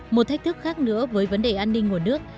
một thách thức khác nữa với vấn đề an ninh nguồn nước